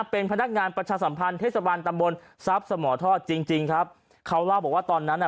เป็นพนักงานประชาสัมพันธ์เทศบาลตำบลทรัพย์สมทอดจริงจริงครับเขาเล่าบอกว่าตอนนั้นอ่ะ